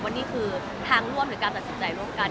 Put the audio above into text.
นี่คือทางร่วมหรือการตัดสินใจร่วมกัน